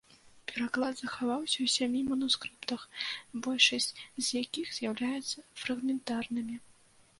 Пераклад захаваўся ў сямі манускрыптах, большасць з якіх з'яўляюцца фрагментарнымі.